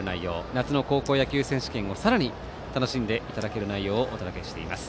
夏の高校野球選手権をさらに楽しんでいただける内容をお届けしています。